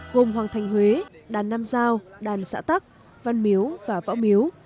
gồm hoàng thành huế đàn nam giao đàn xã tắc văn miếu và võ miếu